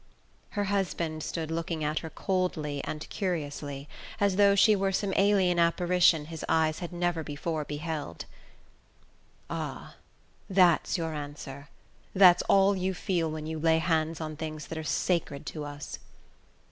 Her husband stood looking at her coldly and curiously, as though she were some alien apparition his eyes had never before beheld. "Ah, that's your answer that's all you feel when you lay hands on things that are sacred to us!"